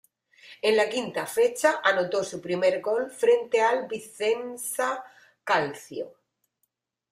En la quinta fecha anotó su primer gol frente al Vicenza Calcio.